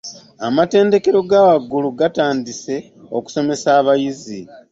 Amatendekero g'awaggulu gaatandise okusomesa abayizi.